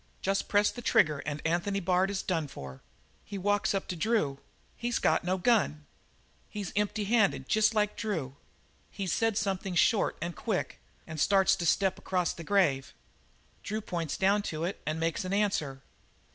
Jest press the trigger and Anthony Bard is done for. He walks up to Drew. He's got no gun on. He's empty handed jest like Drew. He's said something short and quick and starts to step across the grave. "Drew points down to it and makes an answer.